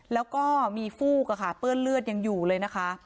แล้วก็มีฟูกเปื้อนเลือดยังอยู่เลยนะคะ